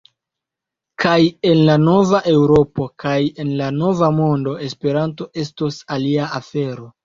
Kaj en la nova Eŭropo kaj en la nova mondo Esperanto estos alia afero.